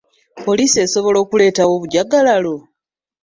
Poliisi esobola okuleetawo obujjagalalo?